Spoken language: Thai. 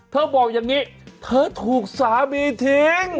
บอกอย่างนี้เธอถูกสามีทิ้ง